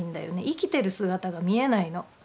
生きてる姿が見えないの。